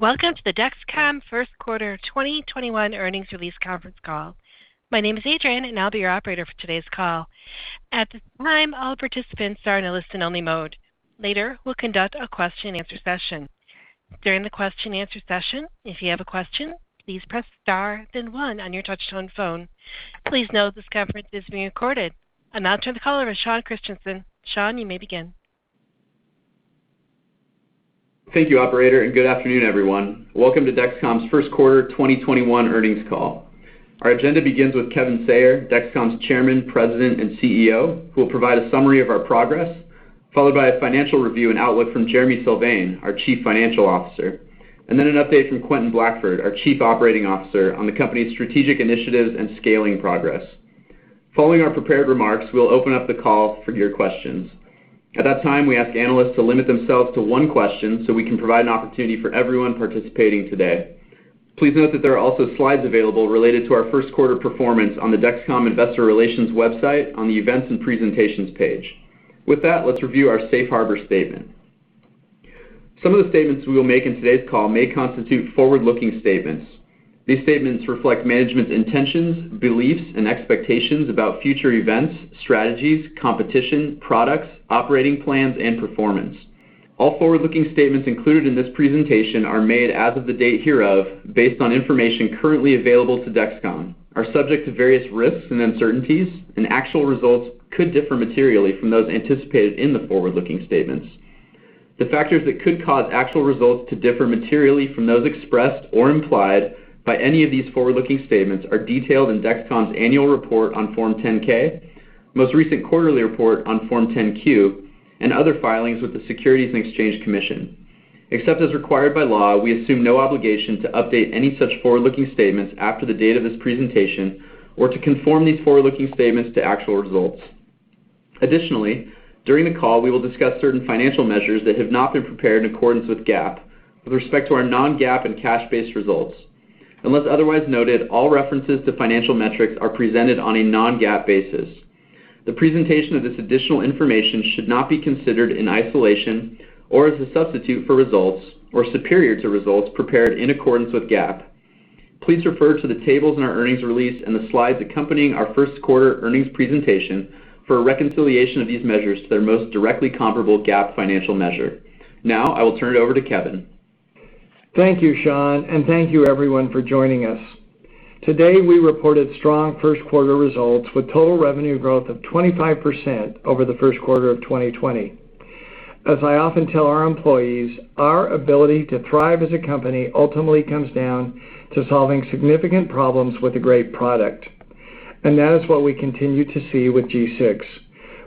Welcome to the Dexcom Q1 2021 earnings release conference call. My name is Adrian, and I'll be your operator for today's call. At this time, all participants are in a listen-only mode. Later, we'll conduct a question and answer session. During the question and answer session, if you have a question, please press star, then one on your touchtone phone. Please note this conference is being recorded. Now to the caller is Sean Christensen. Sean, you may begin. Thank you, Operator. Good afternoon, everyone. Welcome to Dexcom's Q1 2021 earnings call. Our agenda begins with Kevin Sayer, Dexcom's Chairman, President, and CEO, who will provide a summary of our progress, followed by a financial review and outlook from Jereme Sylvain, our Chief Financial Officer, and then an update from Quentin Blackford, our Chief Operating Officer, on the company's strategic initiatives and scaling progress. Following our prepared remarks, we'll open up the call for your questions. At that time, we ask analysts to limit themselves to one question so we can provide an opportunity for everyone participating today. Please note that there are also slides available related to our first quarter performance on the Dexcom investor relations website on the Events and Presentations page. With that, let's review our safe harbor statement. Some of the statements we will make in today's call may constitute forward-looking statements. These statements reflect management's intentions, beliefs, and expectations about future events, strategies, competition, products, operating plans, and performance. All forward-looking statements included in this presentation are made as of the date hereof based on information currently available to Dexcom, are subject to various risks and uncertainties, and actual results could differ materially from those anticipated in the forward-looking statements. The factors that could cause actual results to differ materially from those expressed or implied by any of these forward-looking statements are detailed in Dexcom's annual report on Form 10-K, most recent quarterly report on Form 10-Q, and other filings with the Securities and Exchange Commission. Except as required by law, we assume no obligation to update any such forward-looking statements after the date of this presentation or to conform these forward-looking statements to actual results. Additionally, during the call, we will discuss certain financial measures that have not been prepared in accordance with GAAP with respect to our non-GAAP and cash-based results. Unless otherwise noted, all references to financial metrics are presented on a non-GAAP basis. The presentation of this additional information should not be considered in isolation or as a substitute for results or superior to results prepared in accordance with GAAP. Please refer to the tables in our earnings release and the slides accompanying our Q1 earnings presentation for a reconciliation of these measures to their most directly comparable GAAP financial measure. Now, I will turn it over to Kevin. Thank you, Sean, and thank you, everyone, for joining us. Today, we reported strong Q1 results with total revenue growth of 25% over the Q1 of 2020. As I often tell our employees, our ability to thrive as a company ultimately comes down to solving significant problems with a great product, and that is what we continue to see with G6.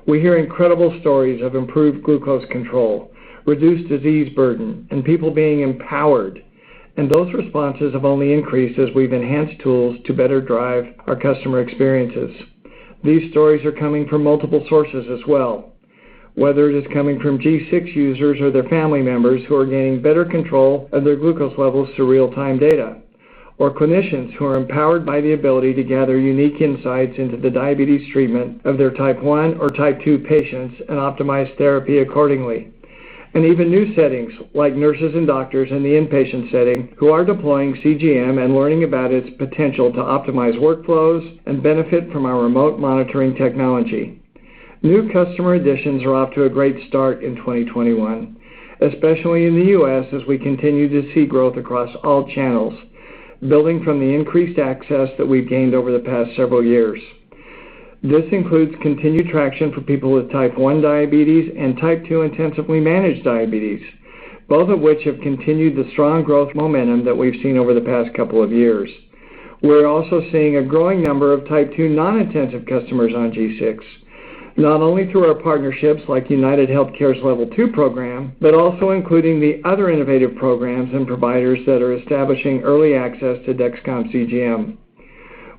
We hear incredible stories of improved glucose control, reduced disease burden, and people being empowered. Those responses have only increased as we've enhanced tools to better drive our customer experiences. These stories are coming from multiple sources as well, whether it is coming from G6 users or their family members who are gaining better control of their glucose levels to real-time data, or clinicians who are empowered by the ability to gather unique insights into the diabetes treatment of their type one or type two patients and optimize therapy accordingly. Even new settings like nurses and doctors in the inpatient setting who are deploying CGM and learning about its potential to optimize workflows and benefit from our remote monitoring technology. New customer additions are off to a great start in 2021, especially in the U.S., as we continue to see growth across all channels, building from the increased access that we've gained over the past several years. This includes continued traction for people with type 1 diabetes and type 2 intensively managed diabetes, both of which have continued the strong growth momentum that we've seen over the past couple of years. We're also seeing a growing number of type 2 non-intensive customers on G6, not only through our partnerships like UnitedHealthcare's Level2 program, but also including the other innovative programs and providers that are establishing early access to Dexcom CGM.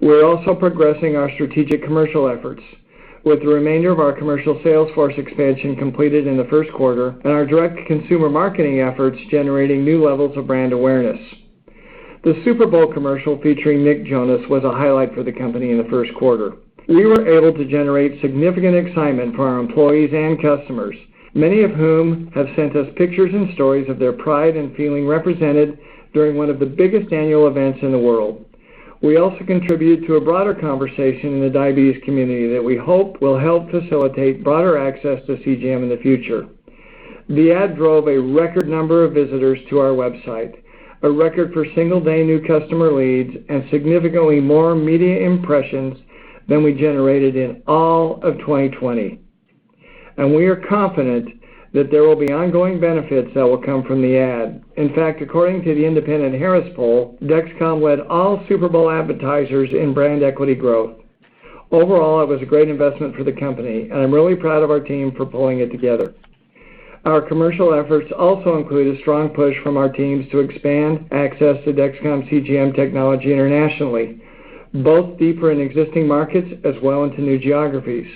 We're also progressing our strategic commercial efforts with the remainder of our commercial sales force expansion completed in the Q1 and our direct consumer marketing efforts generating new levels of brand awareness. The Super Bowl commercial featuring Nick Jonas was a highlight for the company in the first quarter. We were able to generate significant excitement for our employees and customers, many of whom have sent us pictures and stories of their pride and feeling represented during one of the biggest annual events in the world. We also contributed to a broader conversation in the diabetes community that we hope will help facilitate broader access to CGM in the future. The ad drove a record number of visitors to our website, a record for single-day new customer leads, and significantly more media impressions than we generated in all of 2020, and we are confident that there will be ongoing benefits that will come from the ad. In fact, according to the independent Harris Poll, Dexcom led all Super Bowl advertisers in brand equity growth. Overall, it was a great investment for the company, and I'm really proud of our team for pulling it together. Our commercial efforts also include a strong push from our teams to expand access to Dexcom CGM technology internationally, both deeper in existing markets as well into new geographies.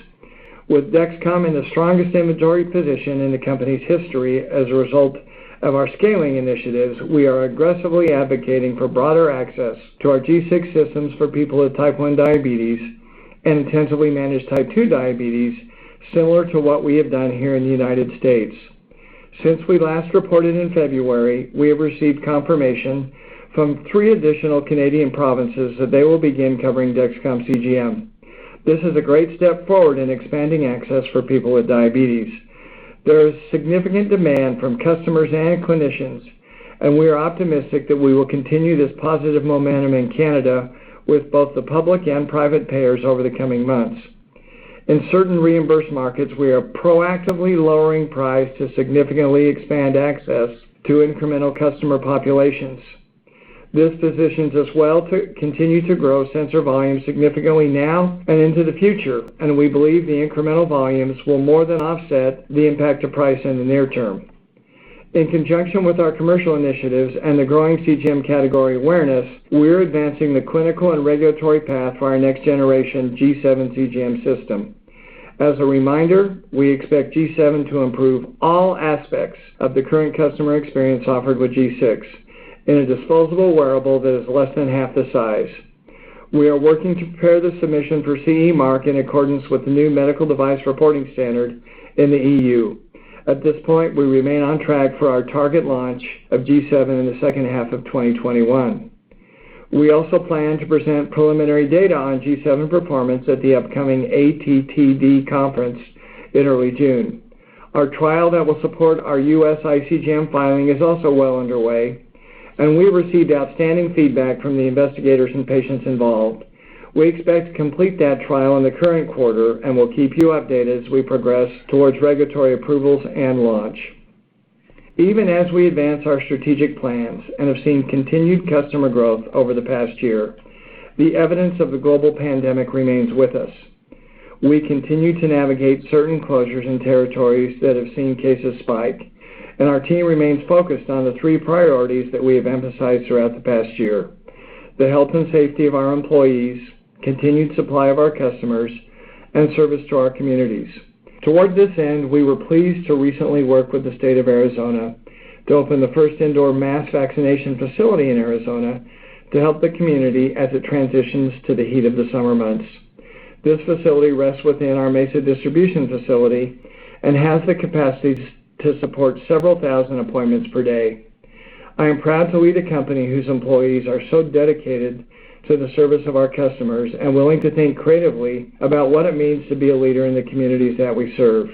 With Dexcom in the strongest inventory position in the company's history as a result of our scaling initiatives, we are aggressively advocating for broader access to our G6 systems for people with type 1 diabetes and intensively manage type 2 diabetes similar to what we have done here in the United States. Since we last reported in February, we have received confirmation from three additional Canadian provinces that they will begin covering Dexcom CGM. This is a great step forward in expanding access for people with diabetes. There is significant demand from customers and clinicians, and we are optimistic that we will continue this positive momentum in Canada with both the public and private payers over the coming months. In certain reimbursed markets, we are proactively lowering price to significantly expand access to incremental customer populations. This positions us well to continue to grow sensor volume significantly now and into the future, and we believe the incremental volumes will more than offset the impact of price in the near term. In conjunction with our commercial initiatives and the growing CGM category awareness, we are advancing the clinical and regulatory path for our next generation G7 CGM system. As a reminder, we expect G7 to improve all aspects of the current customer experience offered with G6 in a disposable wearable that is less than half the size. We are working to prepare the submission for CE mark in accordance with the new medical device reporting standard in the EU. At this point, we remain on track for our target launch of G7 in the second half of 2021. We also plan to present preliminary data on G7 performance at the upcoming ATTD conference in early June. Our trial that will support our U.S. ICGM filing is also well underway, and we received outstanding feedback from the investigators and patients involved. We expect to complete that trial in the current quarter, and will keep you updated as we progress towards regulatory approvals and launch. Even as we advance our strategic plans and have seen continued customer growth over the past year, the evidence of the global pandemic remains with us. We continue to navigate certain closures in territories that have seen cases spike, and our team remains focused on the three priorities that we have emphasized throughout the past year: the health and safety of our employees, continued supply of our customers, and service to our communities. Toward this end, we were pleased to recently work with the state of Arizona to open the first indoor mass vaccination facility in Arizona to help the community as it transitions to the heat of the summer months. This facility rests within our Mesa distribution facility and has the capacity to support several thousand appointments per day. I am proud to lead a company whose employees are so dedicated to the service of our customers and willing to think creatively about what it means to be a leader in the communities that we serve.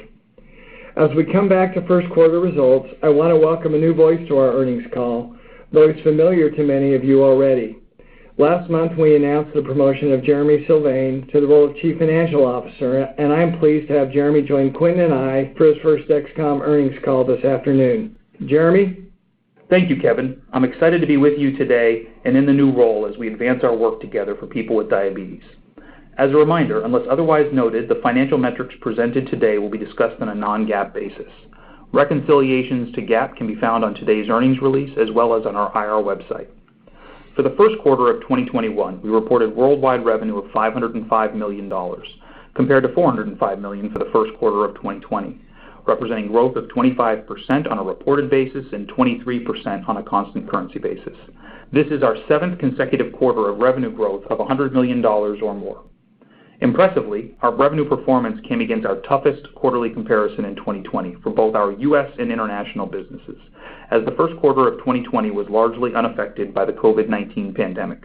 As we come back to Q1 results, I want to welcome a new voice to our earnings call, though it's familiar to many of you already. Last month, we announced the promotion of Jereme Sylvain to the role of chief financial officer, and I am pleased to have Jereme join Quentin and I for his first Dexcom earnings call this afternoon. Jereme? Thank you, Kevin. I'm excited to be with you today and in the new role as we advance our work together for people with diabetes. As a reminder, unless otherwise noted, the financial metrics presented today will be discussed on a non-GAAP basis. Reconciliations to GAAP can be found on today's earnings release as well as on our IR website. For the Q1 of 2021, we reported worldwide revenue of $505 million, compared to $405 million for the Q1 of 2020, representing growth of 25% on a reported basis and 23% on a constant currency basis. This is our seventh consecutive quarter of revenue growth of $100 million or more. Impressively, our revenue performance came against our toughest quarterly comparison in 2020 for both our U.S. and international businesses, as the Q1 of 2020 was largely unaffected by the COVID-19 pandemic.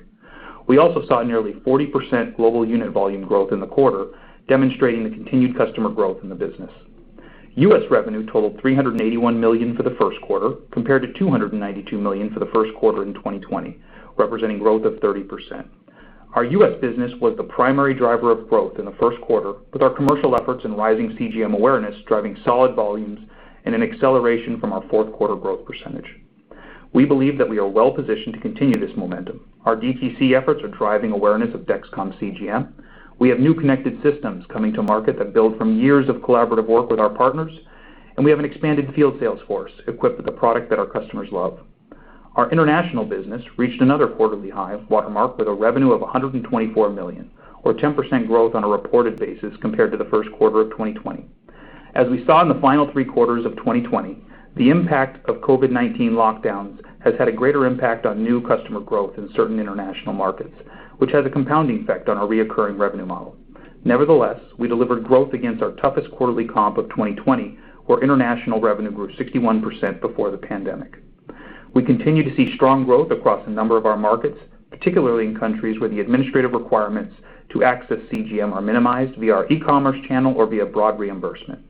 We also saw nearly 40% global unit volume growth in the quarter, demonstrating the continued customer growth in the business. U.S. revenue totaled $381 million for the Q1, compared to $292 million for the Q1 in 2020, representing growth of 30%. Our U.S. business was the primary driver of growth in the Q1 with our commercial efforts and rising CGM awareness driving solid volumes and an acceleration from our Q4 growth percentage. We believe that we are well-positioned to continue this momentum. Our DTC efforts are driving awareness of Dexcom CGM. We have new connected systems coming to market that build from years of collaborative work with our partners, and we have an expanded field sales force equipped with a product that our customers love. Our international business reached another quarterly high watermark with a revenue of $124 million, or 10% growth on a reported basis compared to the Q1 of 2020. As we saw in the final Q3 of 2020, the impact of COVID-19 lockdowns has had a greater impact on new customer growth in certain international markets, which has a compounding effect on our reoccurring revenue model. Nevertheless, we delivered growth against our toughest quarterly comp of 2020, where international revenue grew 61% before the pandemic. We continue to see strong growth across a number of our markets, particularly in countries where the administrative requirements to access CGM are minimized via our e-commerce channel or via broad reimbursement.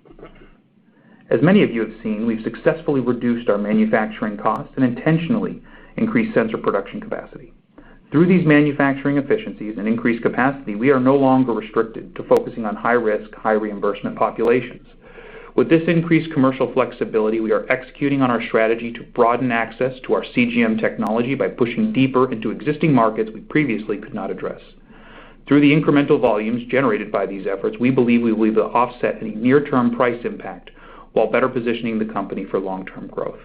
As many of you have seen, we've successfully reduced our manufacturing costs and intentionally increased sensor production capacity. Through these manufacturing efficiencies and increased capacity, we are no longer restricted to focusing on high-risk, high-reimbursement populations. With this increased commercial flexibility, we are executing on our strategy to broaden access to our CGM technology by pushing deeper into existing markets we previously could not address. Through the incremental volumes generated by these efforts, we believe we will offset any near-term price impact while better positioning the company for long-term growth.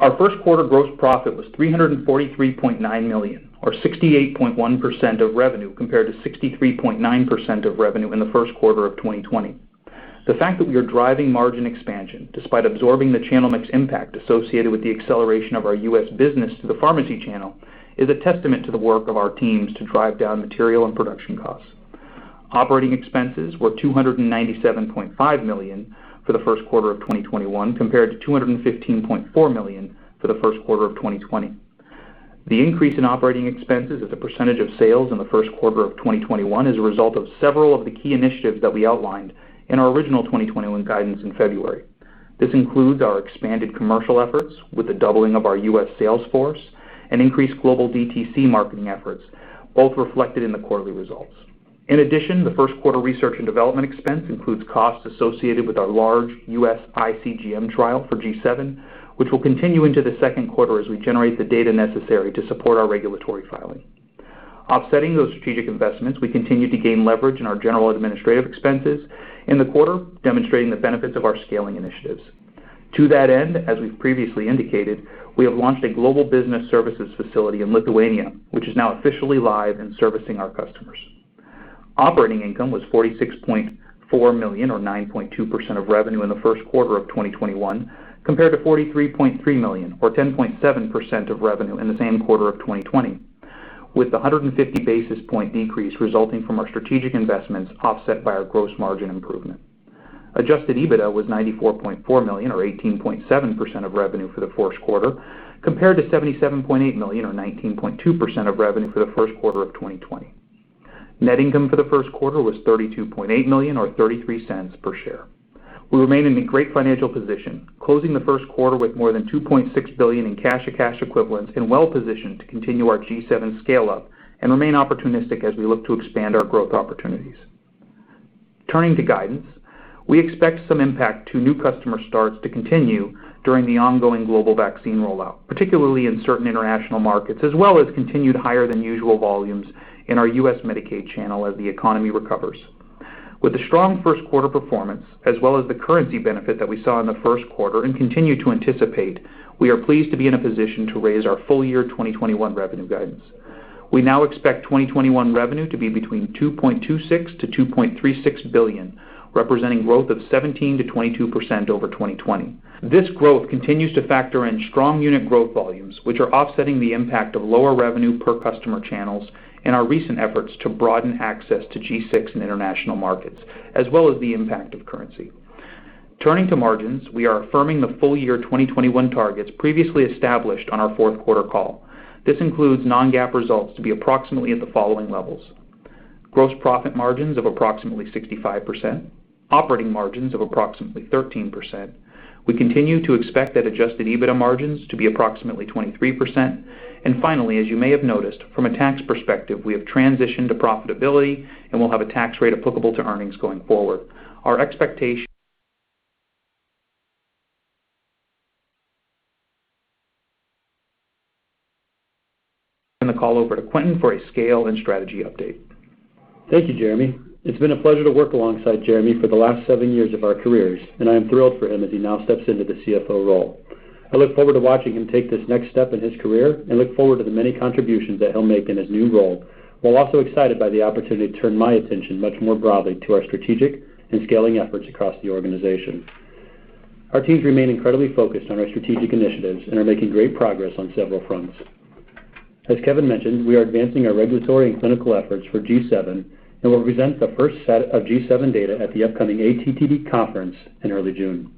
Our first quarter gross profit was $343.9 million, or 68.1% of revenue, compared to 63.9% of revenue in the Q1 of 2020. The fact that we are driving margin expansion despite absorbing the channel mix impact associated with the acceleration of our U.S. business to the pharmacy channel is a testament to the work of our teams to drive down material and production costs. Operating expenses were $297.5 million for the Q1 of 2021, compared to $215.4 million for the Q1 of 2020. The increase in operating expenses as a percentage of sales in the Q1 of 2021 is a result of several of the key initiatives that we outlined in our original 2021 guidance in February. This includes our expanded commercial efforts, with the doubling of our U.S. sales force and increased global DTC marketing efforts, both reflected in the quarterly results. In addition, the Q1 research and development expense includes costs associated with our large U.S. iCGM trial for G7, which will continue into the Q2 as we generate the data necessary to support our regulatory filing. Offsetting those strategic investments, we continue to gain leverage in our general administrative expenses in the quarter, demonstrating the benefits of our scaling initiatives. To that end, as we've previously indicated, we have launched a global business services facility in Lithuania, which is now officially live and servicing our customers. Operating income was $46.4 million, or 9.2% of revenue in the Q1 of 2021, compared to $43.3 million or 10.7% of revenue in the same quarter of 2020, with 150 basis point decrease resulting from our strategic investments offset by our gross margin improvement. Adjusted EBITDA was $94.4 million, or 18.7% of revenue for the Q1 compared to $77.8 million, or 19.2% of revenue for Q1 of 2020. Net income for the Q1 was $32.8 million, or $0.33 per share. We remain in a great financial position, closing the Q1 with more than $2.6 billion in cash or cash equivalents and well-positioned to continue our G7 scale up and remain opportunistic as we look to expand our growth opportunities. Turning to guidance, we expect some impact to new customer starts to continue during the ongoing global vaccine rollout, particularly in certain international markets, as well as continued higher than usual volumes in our U.S. Medicaid channel as the economy recovers. With a strong Q1 performance, as well as the currency benefit that we saw in the Q1 and continue to anticipate, we are pleased to be in a position to raise our full year 2021 revenue guidance. We now expect 2021 revenue to be between $2.26 billion-$2.36 billion, representing growth of 17%-22% over 2020. This growth continues to factor in strong unit growth volumes, which are offsetting the impact of lower revenue per customer channels and our recent efforts to broaden access to Dexcom G6 in international markets, as well as the impact of currency. Turning to margins, we are affirming the full year 2021 targets previously established on our Q4 call. This includes non-GAAP results to be approximately at the following levels. Gross profit margins of approximately 65%, operating margins of approximately 13%. We continue to expect adjusted EBITDA margins to be approximately 23%. Finally, as you may have noticed, from a tax perspective, we have transitioned to profitability, and we'll have a tax rate applicable to earnings going forward. The call over to Quentin for a scale and strategy update. Thank you, Jereme. It's been a pleasure to work alongside Jereme for the last seven years of our careers, and I am thrilled for him as he now steps into the CFO role. I look forward to watching him take this next step in his career and look forward to the many contributions that he'll make in his new role, while also excited by the opportunity to turn my attention much more broadly to our strategic and scaling efforts across the organization. Our teams remain incredibly focused on our strategic initiatives and are making great progress on several fronts. As Kevin mentioned, we are advancing our regulatory and clinical efforts for G7 and will present the first set of G7 data at the upcoming ATTD conference in early June.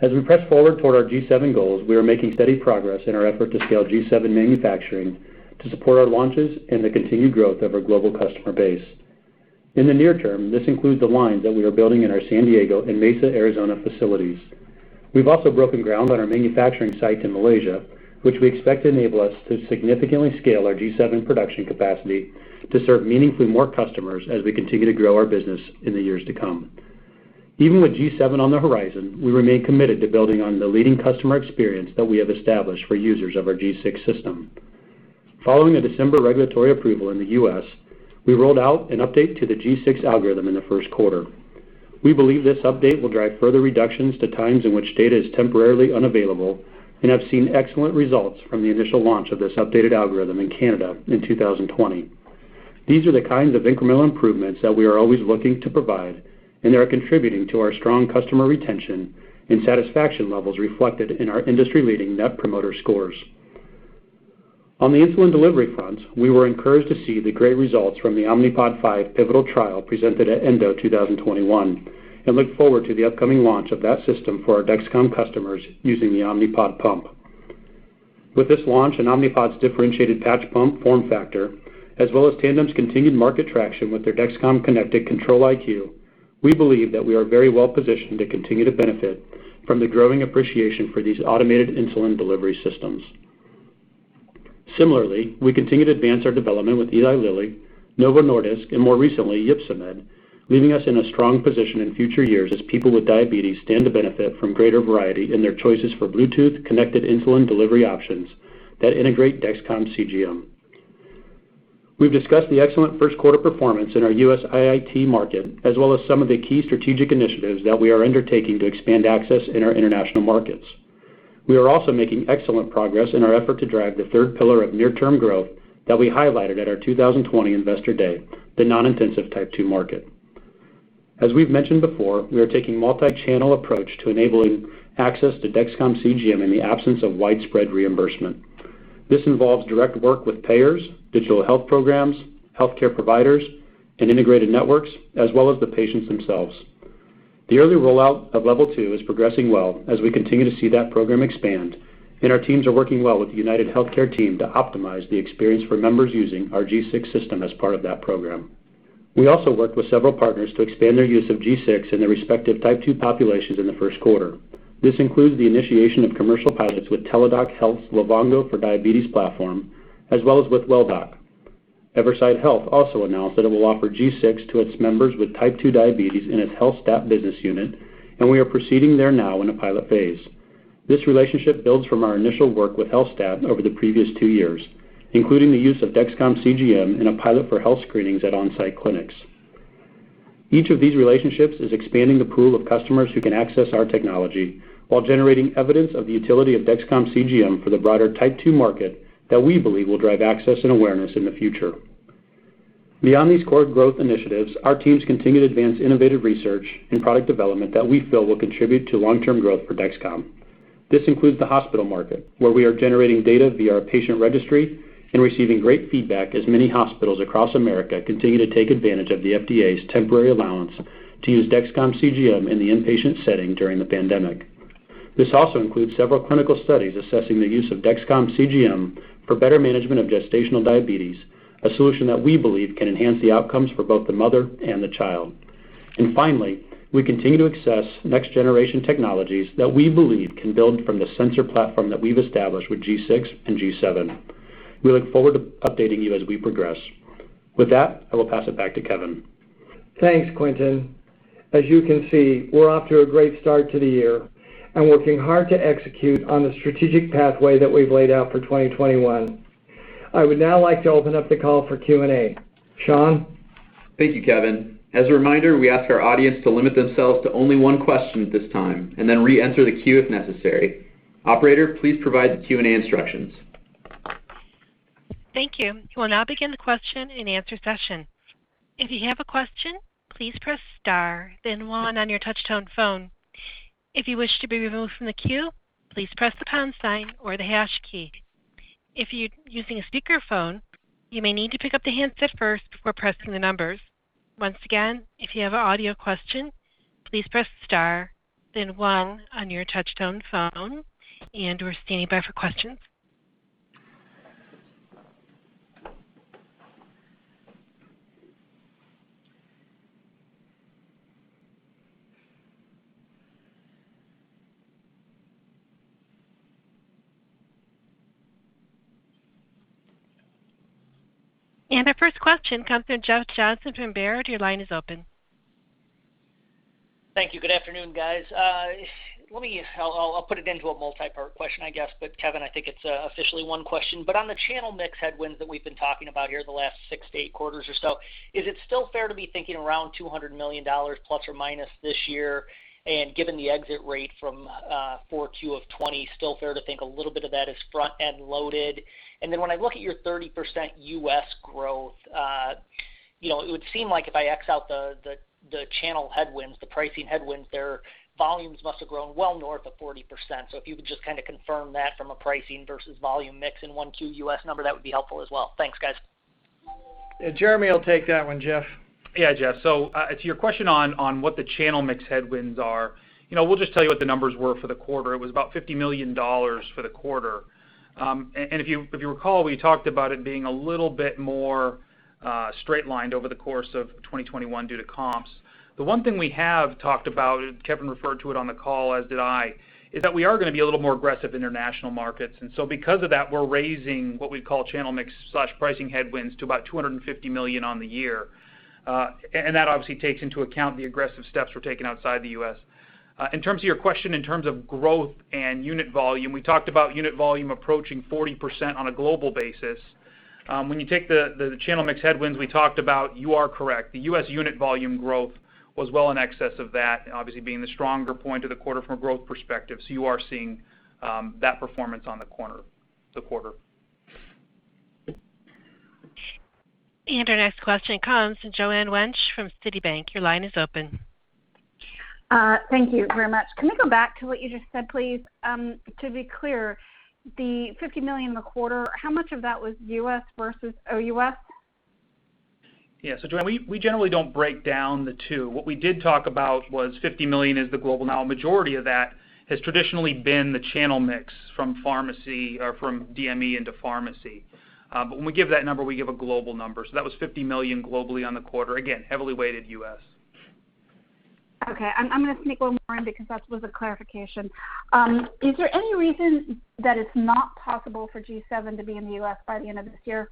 As we press forward toward our G7 goals, we are making steady progress in our effort to scale G7 manufacturing to support our launches and the continued growth of our global customer base. In the near term, this includes the lines that we are building in our San Diego and Mesa, Arizona facilities. We've also broken ground on our manufacturing site in Malaysia, which we expect to enable us to significantly scale our G7 production capacity to serve meaningfully more customers as we continue to grow our business in the years to come. Even with G7 on the horizon, we remain committed to building on the leading customer experience that we have established for users of our G6 system. Following a December regulatory approval in the U.S., we rolled out an update to the G6 algorithm in the Q1. We believe this update will drive further reductions to times in which data is temporarily unavailable and have seen excellent results from the initial launch of this updated algorithm in Canada in 2020. These are the kinds of incremental improvements that we are always looking to provide, and they are contributing to our strong customer retention and satisfaction levels reflected in our industry-leading net promoter scores. On the insulin delivery front, we were encouraged to see the great results from the Omnipod five pivotal trial presented at ENDO 2021 and look forward to the upcoming launch of that system for our Dexcom customers using the Omnipod pump. With this launch and Omnipod's differentiated patch pump form factor, as well as Tandem's continued market traction with their Dexcom connected Control-IQ, we believe that we are very well positioned to continue to benefit from the growing appreciation for these automated insulin delivery systems. Similarly, we continue to advance our development with Eli Lilly, Novo Nordisk, and more recently, Ypsomed, leaving us in a strong position in future years as people with diabetes stand to benefit from greater variety in their choices for Bluetooth connected insulin delivery options that integrate Dexcom CGM. We've discussed the excellent Q1 performance in our U.S. IIT market, as well as some of the key strategic initiatives that we are undertaking to expand access in our international markets. We are also making excellent progress in our effort to drive the third pillar of near-term growth that we highlighted at our 2020 Investor Day, the non-intensive type two market. As we've mentioned before, we are taking multi-channel approach to enabling access to Dexcom CGM in the absence of widespread reimbursement. This involves direct work with payers, digital health programs, healthcare providers, and integrated networks, as well as the patients themselves. The early rollout of Level two is progressing well as we continue to see that program expand. Our teams are working well with the UnitedHealthcare team to optimize the experience for members using our G6 system as part of that program. We also worked with several partners to expand their use of G6 in their respective type two populations in the first quarter. This includes the initiation of commercial pilots with Teladoc Health's Livongo for Diabetes platform, as well as with Welldoc. Everside Health also announced that it will offer G6 to its members with type 2 diabetes in its Healthstat business unit, and we are proceeding there now in a pilot phase. This relationship builds from our initial work with Healthstat over the previous two years, including the use of Dexcom CGM in a pilot for health screenings at on-site clinics. Each of these relationships is expanding the pool of customers who can access our technology while generating evidence of the utility of Dexcom CGM for the broader type 2 market that we believe will drive access and awareness in the future. Beyond these core growth initiatives, our teams continue to advance innovative research and product development that we feel will contribute to long-term growth for Dexcom. This includes the hospital market, where we are generating data via our patient registry and receiving great feedback as many hospitals across America continue to take advantage of the FDA's temporary allowance to use Dexcom CGM in the inpatient setting during the pandemic. This also includes several clinical studies assessing the use of Dexcom CGM for better management of gestational diabetes, a solution that we believe can enhance the outcomes for both the mother and the child. Finally, we continue to access next-generation technologies that we believe can build from the sensor platform that we've established with G6 and G7. We look forward to updating you as we progress. With that, I will pass it back to Kevin. Thanks, Quentin. As you can see, we're off to a great start to the year and working hard to execute on the strategic pathway that we've laid out for 2021. I would now like to open up the call for Q&A. Sean? Thank you, Kevin. As a reminder, we ask our audience to limit themselves to only one question at this time and then reenter the queue if necessary. Operator, please provide the Q&A instructions. Thank you. We'll now begin the question and answer session. If you have a question, please press star then one on your touch-tone phone. If you wish to be removed from the queue, please press the pound sign or the hash key. If you're using a speakerphone, you may need to pick up the handset first before pressing the numbers. Once again, if you have an audio question, please press star then one on your touch-tone phone. We're standing by for questions. Our first question comes from Jeff Johnson from Baird. Your line is open. Thank you. Good afternoon, guys. I'll put it into a multi-part question, I guess, but Kevin, I think it's officially one question. On the channel mix headwinds that we've been talking about here the last six to eight quarters or so, is it still fair to be thinking around $200 million ± this year? Given the exit rate from 4Q of 2020, still fair to think a little bit of that is front-end loaded? When I look at your 30% U.S. growth, it would seem like if I X out the channel headwinds, the pricing headwinds there, volumes must have grown well north of 40%. If you could just confirm that from a pricing versus volume mix in 1Q U.S. number, that would be helpful as well. Thanks, guys. Jereme will take that one, Jeff. Jeff, to your question on what the channel mix headwinds are, we will just tell you what the numbers were for the quarter. It was about $50 million for the quarter. If you recall, we talked about it being a little bit more straight-lined over the course of 2021 due to comps. The one thing we have talked about, Kevin referred to it on the call, as did I, is that we are going to be a little more aggressive in international markets. Because of that, we are raising what we call channel mix/pricing headwinds to about $250 million on the year. That obviously takes into account the aggressive steps we are taking outside the U.S. In terms of your question in terms of growth and unit volume, we talked about unit volume approaching 40% on a global basis. When you take the channel mix headwinds we talked about, you are correct. The U.S. unit volume growth was well in excess of that, obviously being the stronger point of the quarter from a growth perspective. You are seeing that performance on the quarter. Our next question comes from Joanne Wuensch from Citibank. Your line is open. Thank you very much. Can I go back to what you just said, please? To be clear, the $50 million in the quarter, how much of that was U.S. versus OUS? Yeah. Joanne, we generally don't break down the two. What we did talk about was $50 million is the global. A majority of that has traditionally been the channel mix from DME into pharmacy. When we give that number, we give a global number. That was $50 million globally on the quarter. Again, heavily weighted U.S. Okay. I'm going to sneak one more in because that was a clarification. Is there any reason that it's not possible for G7 to be in the U.S. by the end of this year?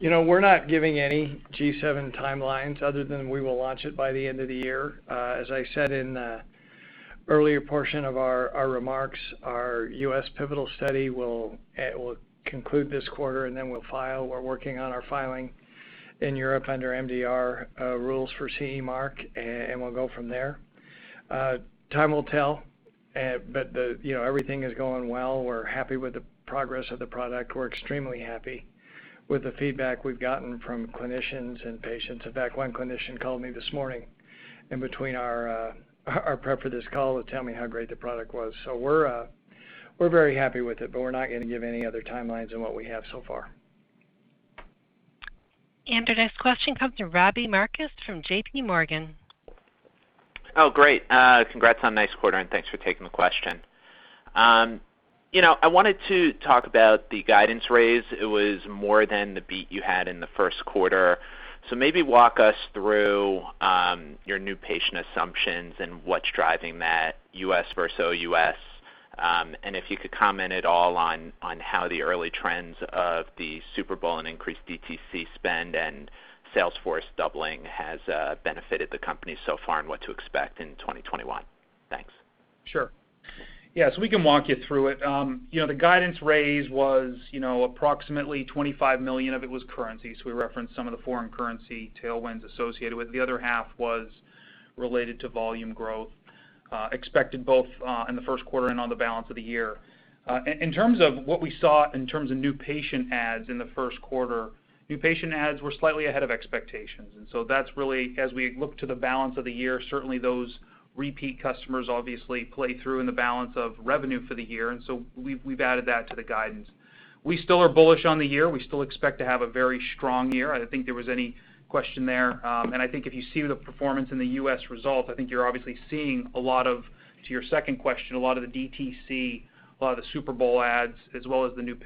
We're not giving any Dexcom G7 timelines other than we will launch it by the end of the year. As I said in the earlier portion of our remarks. Our U.S. pivotal study will conclude this quarter, then we'll file. We're working on our filing in Europe under MDR rules for CE Mark, we'll go from there. Time will tell, everything is going well. We're happy with the progress of the product. We're extremely happy with the feedback we've gotten from clinicians and patients. In fact, one clinician called me this morning in between our prep for this call to tell me how great the product was. We're very happy with it, we're not going to give any other timelines than what we have so far. Our next question comes from Robbie Marcus from J.P. Morgan. Great. Congrats on a nice quarter, thanks for taking the question. I wanted to talk about the guidance raise. It was more than the beat you had in the Q1. Maybe walk us through your new patient assumptions and what's driving that U.S. versus OUS. If you could comment at all on how the early trends of the Super Bowl and increased DTC spend and sales force doubling has benefited the company so far, and what to expect in 2021. Thanks. Sure. Yeah, we can walk you through it. The guidance raise was approximately $25 million of it was currency. We referenced some of the foreign currency tailwinds associated with it. The other half was related to volume growth, expected both in the Q1 and on the balance of the year. In terms of what we saw in terms of new patient adds in the Q1, new patient adds were slightly ahead of expectations. That's really as we look to the balance of the year, certainly those repeat customers obviously play through in the balance of revenue for the year, and so we've added that to the guidance. We still are bullish on the year. We still expect to have a very strong year. I didn't think there was any question there. I think if you see the performance in the U.S. results, I think you're obviously seeing, to your second question, a lot of the DTC, a lot of the Super Bowl ads, as well as the new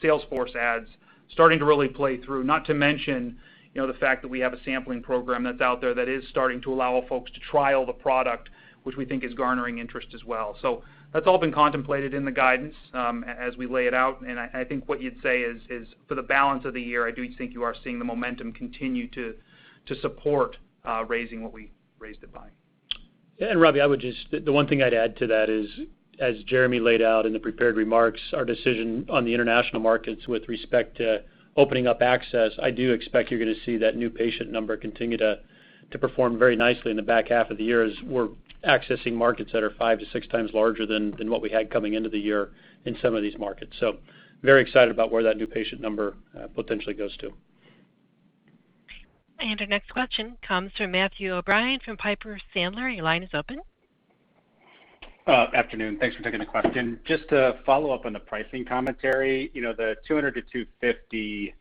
sales force ads starting to really play through. Not to mention, the fact that we have a sampling program that's out there that is starting to allow folks to trial the product, which we think is garnering interest as well. That's all been contemplated in the guidance as we lay it out, and I think what you'd say is for the balance of the year, I do think you are seeing the momentum continue to support raising what we raised it by. Robbie, the one thing I'd add to that is, as Jereme laid out in the prepared remarks, our decision on the international markets with respect to opening up access, I do expect you're going to see that new patient number continue to perform very nicely in the back half of the year as we're accessing markets that are five to 6x larger than what we had coming into the year in some of these markets. Very excited about where that new patient number potentially goes to. Our next question comes from Matthew O'Brien from Piper Sandler. Your line is open. Afternoon. Thanks for taking the question. Just to follow up on the pricing commentary. The $200-$250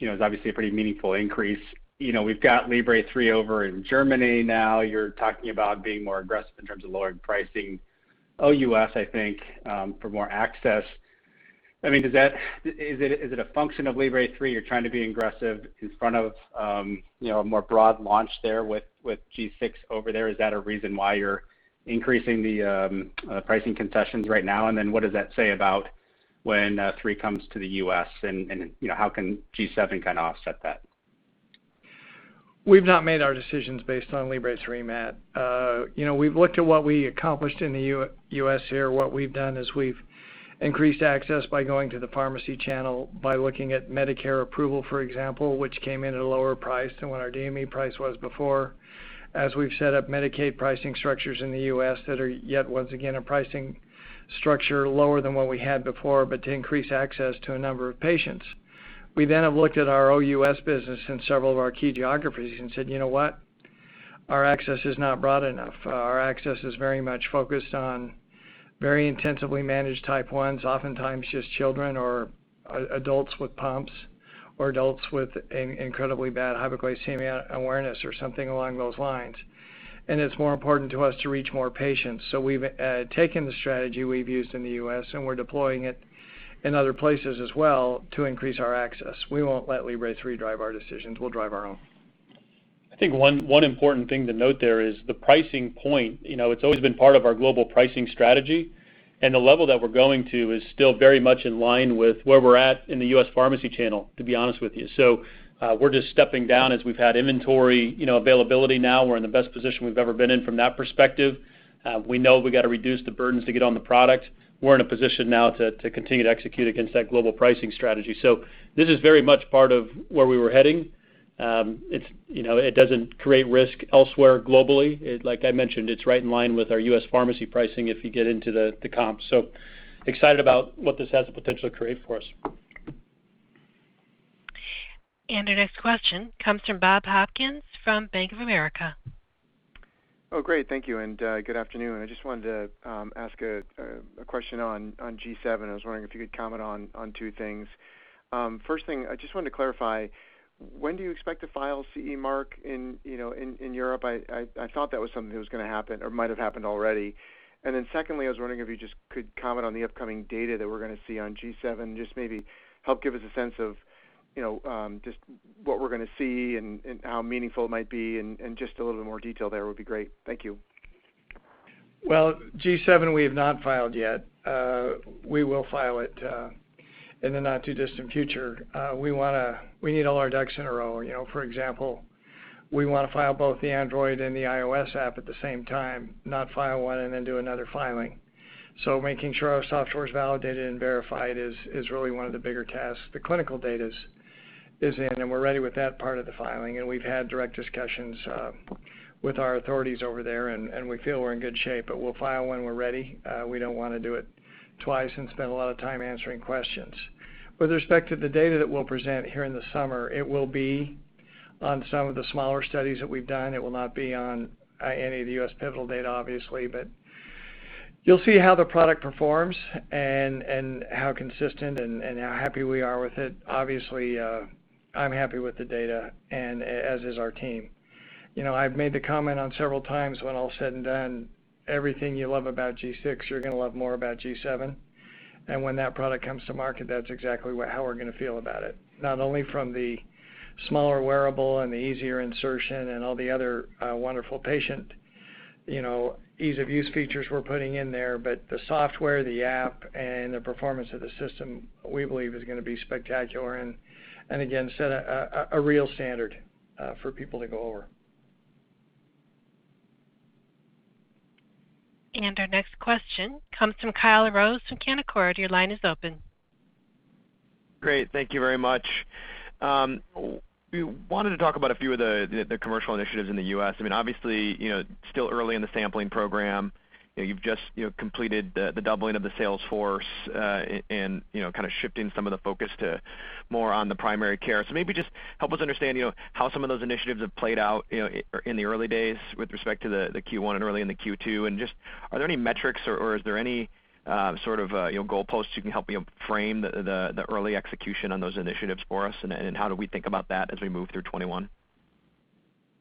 is obviously a pretty meaningful increase. We've got FreeStyle Libre three over in Germany now. You're talking about being more aggressive in terms of lowering pricing OUS, I think, for more access. Is it a function of FreeStyle Libre three? You're trying to be aggressive in front of a more broad launch there with Dexcom G6 over there? Is that a reason why you're increasing the pricing concessions right now? What does that say about when three comes to the U.S., and how can Dexcom G7 kind of offset that? We've not made our decisions based on Libre three, Mathew. We've looked at what we accomplished in the U.S. here. What we've done is we've increased access by going to the pharmacy channel by looking at Medicare approval, for example, which came in at a lower price than what our DME price was before. As we've set up Medicaid pricing structures in the U.S. that are yet once again, a pricing structure lower than what we had before, but to increase access to a number of patients. We have looked at our OUS business in several of our key geographies and said, you know what? Our access is not broad enough. Our access is very much focused on very intensively managed type 1s, oftentimes just children or adults with pumps or adults with incredibly bad hypoglycemia awareness or something along those lines. It's more important to us to reach more patients. We've taken the strategy we've used in the U.S., and we're deploying it in other places as well to increase our access. We won't let Libre three drive our decisions. We'll drive our own. I think one important thing to note there is the pricing point. It's always been part of our global pricing strategy, and the level that we're going to is still very much in line with where we're at in the U.S. pharmacy channel, to be honest with you. We're just stepping down as we've had inventory availability now. We're in the best position we've ever been in from that perspective. We know we've got to reduce the burdens to get on the product. We're in a position now to continue to execute against that global pricing strategy. This is very much part of where we were heading. It doesn't create risk elsewhere globally. Like I mentioned, it's right in line with our U.S. pharmacy pricing if you get into the comps. We're excited about what this has the potential to create for us. Our next question comes from Bob Hopkins from Bank of America. Great. Thank you, and good afternoon. I just wanted to ask a question on G7. I was wondering if you could comment on two things. First thing, I just wanted to clarify, when do you expect to file CE Mark in Europe? I thought that was something that was going to happen or might have happened already. Secondly, I was wondering if you just could comment on the upcoming data that we're going to see on G7, just maybe help give us a sense of just what we're going to see and how meaningful it might be and just a little bit more detail there would be great. Thank you. Well, G7, we have not filed yet. We will file it in the not too distant future, we need all our ducks in a row. For example, we want to file both the Android and the iOS app at the same time, not file one and then do another filing. Making sure our software is validated and verified is really one of the bigger tasks. The clinical data is in, and we're ready with that part of the filing, and we've had direct discussions with our authorities over there, and we feel we're in good shape, but we'll file when we're ready. We don't want to do it twice and spend a lot of time answering questions. With respect to the data that we'll present here in the summer, it will be on some of the smaller studies that we've done. It will not be on any of the U.S. pivotal data, obviously. You'll see how the product performs and how consistent and how happy we are with it. Obviously, I'm happy with the data, as is our team. I've made the comment on several times, when all is said and done, everything you love about G6, you're going to love more about G7. When that product comes to market, that's exactly how we're going to feel about it, not only from the smaller wearable and the easier insertion and all the other wonderful patient ease-of-use features we're putting in there, but the software, the app, and the performance of the system, we believe is going to be spectacular, and again, set a real standard for people to go over. Our next question comes from Kyle Rose from Canaccord. Your line is open. Great. Thank you very much. We wanted to talk about a few of the commercial initiatives in the U.S. Obviously, it's still early in the sampling program. You've just completed the doubling of the sales force, and shifting some of the focus to more on the primary care. Maybe just help us understand how some of those initiatives have played out in the early days with respect to the Q1 and early in the Q2. Just are there any metrics or is there any sort of goalposts you can help me frame the early execution on those initiatives for us, and how do we think about that as we move through 2021?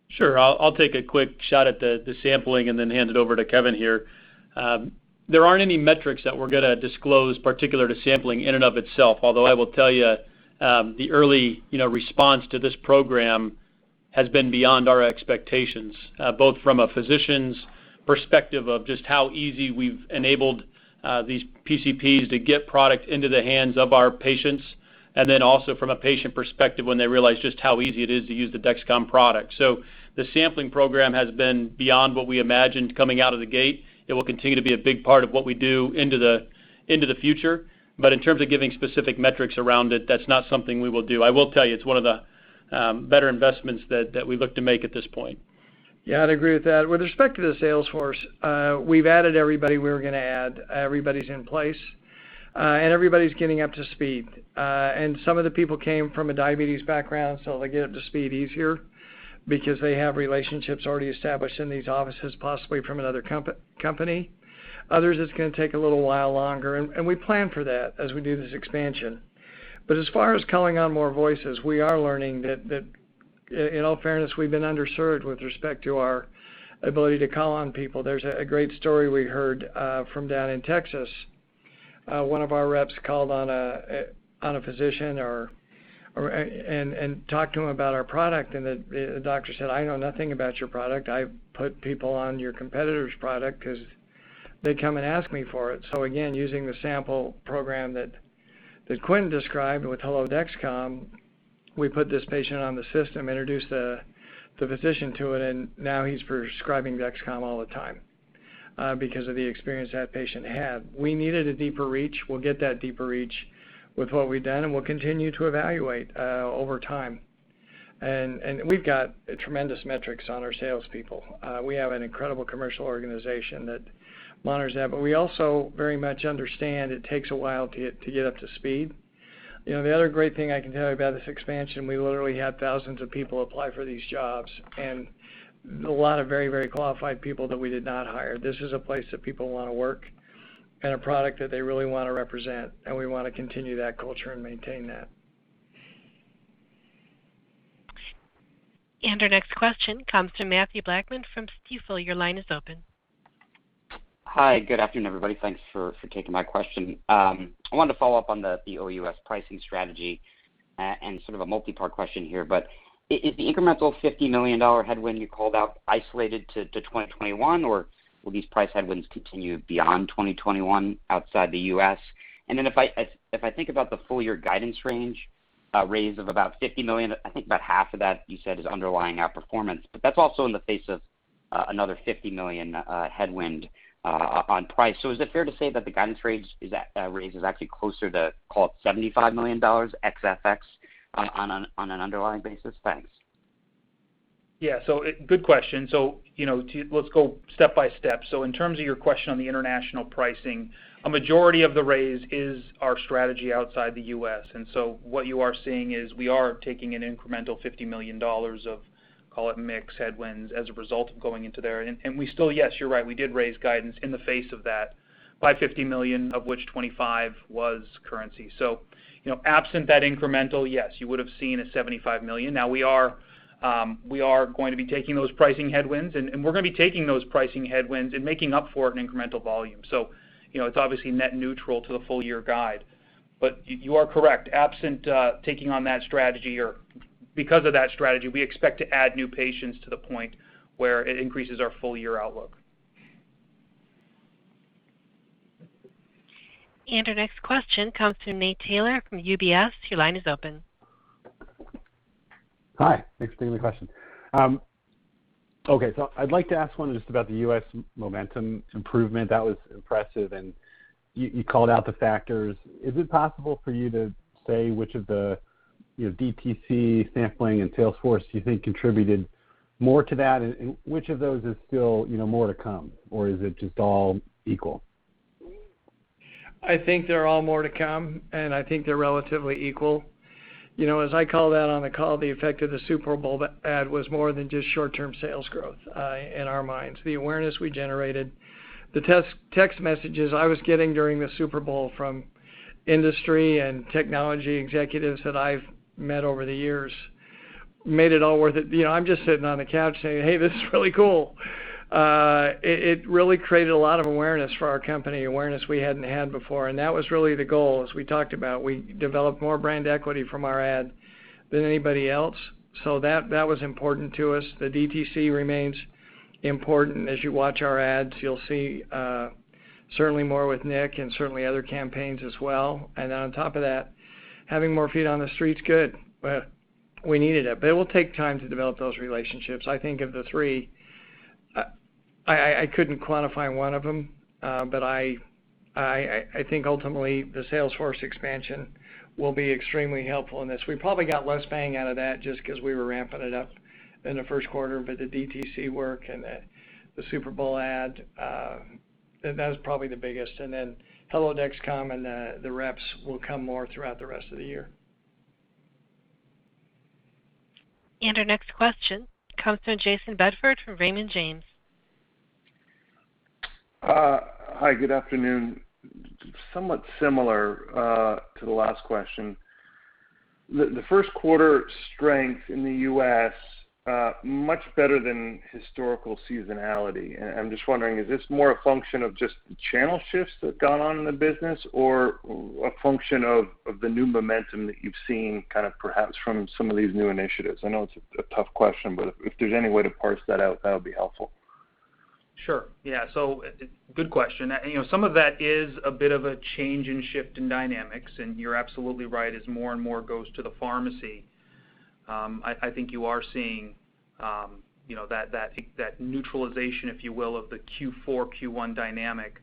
Sure. I'll take a quick shot at the sampling and then hand it over to Kevin here. There aren't any metrics that we're going to disclose particular to sampling in and of itself. Although I will tell you, the early response to this program has been beyond our expectations, both from a physician's perspective of just how easy we've enabled these PCPs to get product into the hands of our patients, and then also from a patient perspective when they realize just how easy it is to use the Dexcom product. The sampling program has been beyond what we imagined coming out of the gate. It will continue to be a big part of what we do into the future. In terms of giving specific metrics around it, that's not something we will do. I will tell you, it's one of the better investments that we look to make at this point. Yeah, I'd agree with that. With respect to the sales force, we've added everybody we were going to add. Everybody's in place, and everybody's getting up to speed. Some of the people came from a diabetes background, so they get up to speed easier because they have relationships already established in these offices, possibly from another company. Others, it's going to take a little while longer, and we plan for that as we do this expansion. As far as calling on more voices, we are learning that in all fairness, we've been underserved with respect to our ability to call on people. There's a great story we heard from down in Texas. One of our reps called on a physician and talked to him about our product, and the doctor said, "I know nothing about your product. I've put people on your competitor's product because they come and ask me for it. Again, using the sample program that Quentin described with Hello Dexcom, we put this patient on the system, introduced the physician to it, and now he's prescribing Dexcom all the time because of the experience that patient had. We needed a deeper reach. We'll get that deeper reach with what we've done, and we'll continue to evaluate over time. We've got tremendous metrics on our salespeople. We have an incredible commercial organization that monitors that. We also very much understand it takes a while to get up to speed. The other great thing I can tell you about this expansion, we literally had thousands of people apply for these jobs and a lot of very qualified people that we did not hire. This is a place that people want to work and a product that they really want to represent, and we want to continue that culture and maintain that. Our next question comes from Mathew Blackman from Stifel. Your line is open. Hi. Good afternoon, everybody. Thanks for taking my question. I wanted to follow up on the OUS pricing strategy and sort of a multi-part question here. Is the incremental $50 million headwind you called out isolated to 2021, or will these price headwinds continue beyond 2021 outside the U.S.? If I think about the full-year guidance range raise of about $50 million, I think about half of that you said is underlying outperformance. That's also in the face of another $50 million headwind on price. Is it fair to say that the guidance range raise is actually closer to, call it, $75 million ex FX on an underlying basis? Thanks. Yeah. Good question. Let's go step by step. In terms of your question on the international pricing, a majority of the raise is our strategy outside the U.S. What you are seeing is we are taking an incremental $50 million of, call it, mix headwinds as a result of going into there. We still, yes, you're right, we did raise guidance in the face of that by $50 million, of which $25 was currency. Absent that incremental, yes, you would have seen a $75 million. Now we are going to be taking those pricing headwinds, and we're going to be taking those pricing headwinds and making up for it in incremental volume. It's obviously net neutral to the full-year guide. You are correct. Absent taking on that strategy or because of that strategy, we expect to add new patients to the point where it increases our full-year outlook. Our next question comes from Nate Taylor from UBS. Your line is open. Hi, thanks for taking the question. Okay, I'd like to ask one just about the U.S. momentum improvement. That was impressive, and you called out the factors. Is it possible for you to say which of the DTC sampling and sales force you think contributed more to that? Which of those is still more to come? Is it just all equal? I think they're all more to come, and I think they're relatively equal. As I called out on the call, the effect of the Super Bowl ad was more than just short-term sales growth, in our minds. The awareness we generated, the text messages I was getting during the Super Bowl from industry and technology executives that I've met over the years made it all worth it. I'm just sitting on the couch saying, "Hey, this is really cool." It really created a lot of awareness for our company, awareness we hadn't had before, and that was really the goal, as we talked about. We developed more brand equity from our ad than anybody else, so that was important to us. The DTC remains important. As you watch our ads, you'll see certainly more with Nick and certainly other campaigns as well. On top of that, having more feet on the street's good. We needed it, but it will take time to develop those relationships. I think of the three, I couldn't quantify one of them, but I think ultimately, the sales force expansion will be extremely helpful in this. We probably got less bang out of that just because we were ramping it up in the Q1, but the DTC work and the Super Bowl ad, that was probably the biggest. Hello Dexcom, and the reps will come more throughout the rest of the year. Our next question comes from Jayson Bedford from Raymond James. Hi, good afternoon. Somewhat similar to the last question. The Q1 strength in the U.S., much better than historical seasonality. I'm just wondering, is this more a function of just the channel shifts that have gone on in the business, or a function of the new momentum that you've seen perhaps from some of these new initiatives? I know it's a tough question, if there's any way to parse that out, that would be helpful. Sure. Yeah. Good question. Some of that is a bit of a change in shift in dynamics, and you're absolutely right, as more and more goes to the pharmacy, I think you are seeing that neutralization, if you will, of the Q4, Q1 dynamic.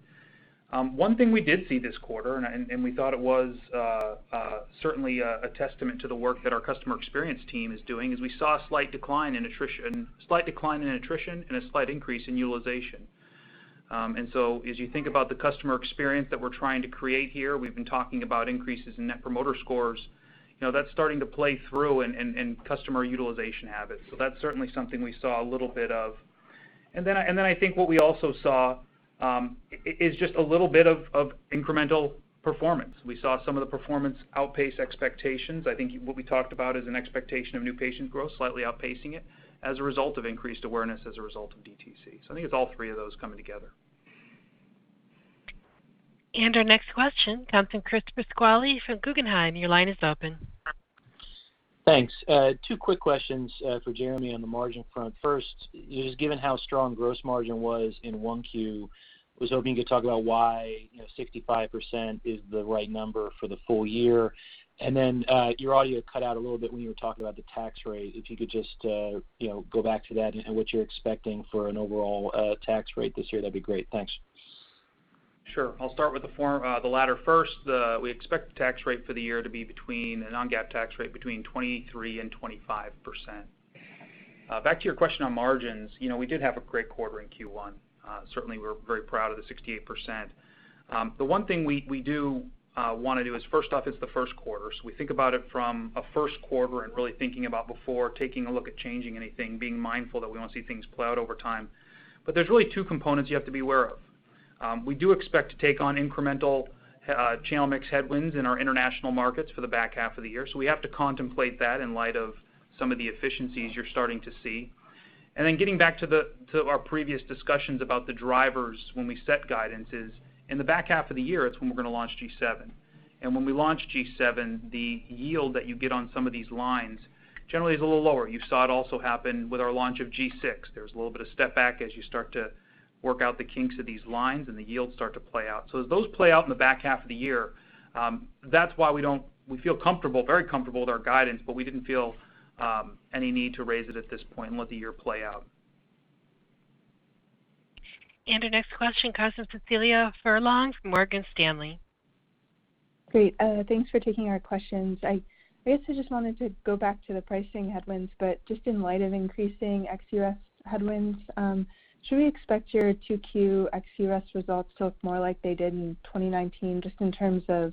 One thing we did see this quarter, and we thought it was certainly a testament to the work that our customer experience team is doing, is we saw a slight decline in attrition and a slight increase in utilization. As you think about the customer experience that we're trying to create here, we've been talking about increases in net promoter scores. That's starting to play through in customer utilization habits. That's certainly something we saw a little bit of. Then I think what we also saw is just a little bit of incremental performance. We saw some of the performance outpace expectations. I think what we talked about is an expectation of new patient growth, slightly outpacing it, as a result of increased awareness as a result of DTC. I think it's all three of those coming together. Our next question comes from Chris Pasquale from Guggenheim. Your line is open. Thanks. Two quick questions for Jereme on the margin front. First, just given how strong gross margin was in 1Q, I was hoping you could talk about why 65% is the right number for the full year. Your audio cut out a little bit when you were talking about the tax rate. If you could just go back to that and what you're expecting for an overall tax rate this year, that'd be great. Thanks. Sure. I'll start with the latter first. We expect the tax rate for the year to be, a non-GAAP tax rate, between 23% and 25%. Back to your question on margins. We did have a great quarter in Q1. Certainly, we're very proud of the 68%. The one thing we do want to do is, first off, it's the Q1, so we think about it from a Q1 and really thinking about before taking a look at changing anything, being mindful that we want to see things play out over time. There's really two components you have to be aware of. We do expect to take on incremental channel mix headwinds in our international markets for the back half of the year. We have to contemplate that in light of some of the efficiencies you're starting to see. Getting back to our previous discussions about the drivers when we set guidance is, in the back half of the year is when we're going to launch G7. When we launch G7, the yield that you get on some of these lines generally is a little lower. You saw it also happen with our launch of G6. There's a little bit of step back as you start to work out the kinks of these lines and the yields start to play out. As those play out in the back half of the year, that's why we feel very comfortable with our guidance, but we didn't feel any need to raise it at this point and let the year play out. Our next question comes from Cecilia Furlong from Morgan Stanley. Great. Thanks for taking our questions. I basically just wanted to go back to the pricing headwinds, just in light of increasing ex US headwinds, should we expect your 2Q ex US results to look more like they did in 2019, just in terms of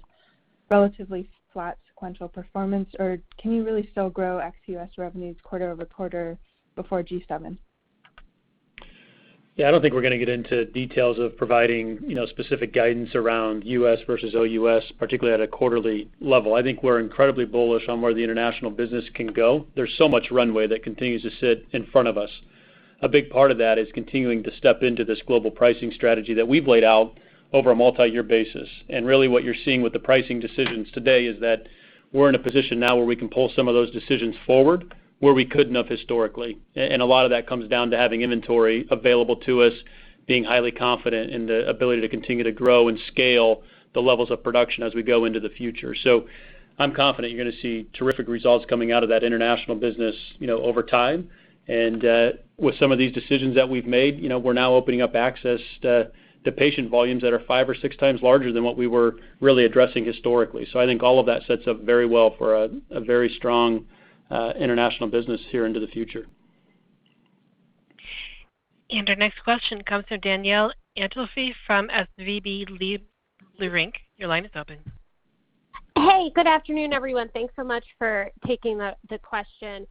relatively flat sequential performance? Or can you really still grow ex US revenues quarter-over-quarter before G7? I don't think we're going to get into details of providing specific guidance around U.S. versus OUS, particularly at a quarterly level. I think we're incredibly bullish on where the international business can go. There's so much runway that continues to sit in front of us. A big part of that is continuing to step into this global pricing strategy that we've laid out. Over a multi-year basis. Really what you're seeing with the pricing decisions today is that we're in a position now where we can pull some of those decisions forward where we couldn't have historically. A lot of that comes down to having inventory available to us, being highly confident in the ability to continue to grow and scale the levels of production as we go into the future. I'm confident you're going to see terrific results coming out of that international business over time. With some of these decisions that we've made, we're now opening up access to patient volumes that are 5x or 6x larger than what we were really addressing historically. I think all of that sets up very well for a very strong international business here into the future. Our next question comes from Danielle Antalffy from SVB Leerink. Your line is open. Hey, good afternoon, everyone. Thanks so much for taking the question.